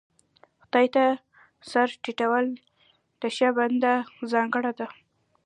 خدای ته سر ټيټول د ښه بنده ځانګړنه ده.